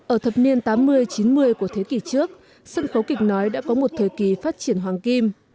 ở thập niên tám mươi chín mươi của thế kỷ trước sân khấu kịch nói đã có một thời kỳ phát triển hoàng kim